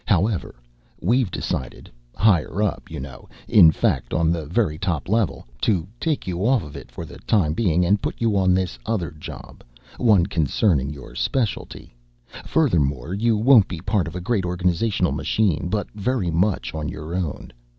However, we've decided higher up, you know, in fact on the very top level to take you off it for the time being and put you on this other job, one concerning your specialty. Furthermore, you won't be part of a great organizational machine, but very much on your own.